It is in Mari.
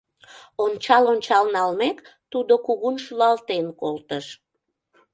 Ончал-ончал налмек, тудо кугун шӱлалтен колтыш.